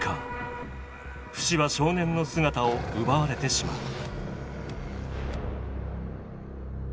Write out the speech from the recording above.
フシは少年の姿を奪われてしまう。